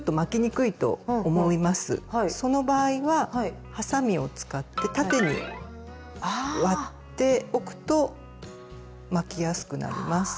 その場合ははさみを使って縦に割っておくと巻きやすくなります。